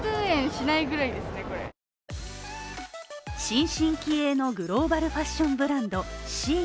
新進気鋭のグローバルファッションブランド、ＳＨＥＩＮ。